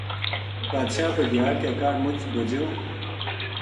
بادشاہ بھگیاڑ کے کاہڈ مچ بھَجیو